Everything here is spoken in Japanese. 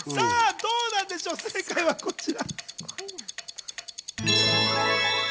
どうなんでしょう、正解はこちら。